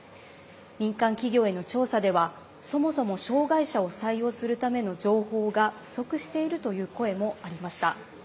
民間企業への調査ではそもそも障害者を採用するための情報が不足しているという声もありました。